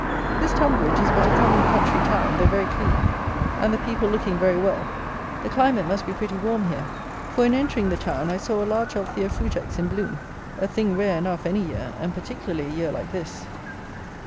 This Tonbridge is but a common country town, though very clean, and the people looking very well. The climate must be pretty warm here; for in entering the town, I saw a large Althea Frutex in bloom, a thing rare enough, any year, and particularly a year like this.